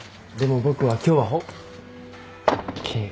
でも僕は今日はホッケ。